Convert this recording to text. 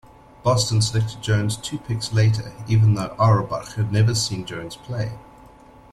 Boston selected Jones two picks later, even though Auerbach had never seen Jones play.